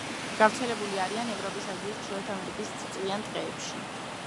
გავრცელებული არიან ევროპის, აზიის, ჩრდილოეთ ამერიკის წიწვიან ტყეებში.